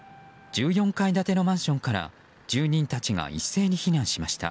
１４階建てのマンションから住人たちが一斉に避難しました。